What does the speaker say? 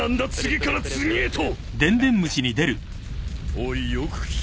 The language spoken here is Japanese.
おいよく聞け。